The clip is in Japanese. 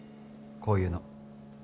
こういうの。